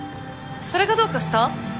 それがどうかした？